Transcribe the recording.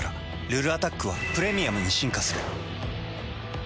「ルルアタック」は「プレミアム」に進化する。